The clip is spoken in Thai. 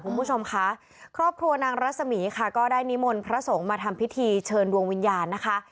คุณผู้ชมค่ะครอบครัวนางรัศมีค่ะก็ได้นิมนต์พระสงฆ์มาทำพิธีเชิญดวงวิญญาณนะคะ